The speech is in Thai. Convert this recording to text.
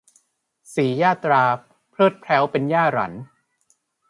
สียาตราเพริศแพร้วเป็นย่าหรัน